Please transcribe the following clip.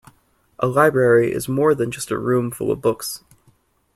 A library is more than just a room full of books